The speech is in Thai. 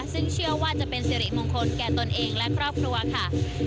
ซึ่งเชื่อว่าจะเป็นสิริมงคลแก่ตนเองและครอบครัวค่ะ